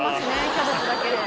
キャベツだけで。